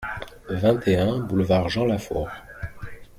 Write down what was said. vingt et un boulevard Jean Lafaure